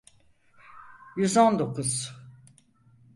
Yüz on dokuz.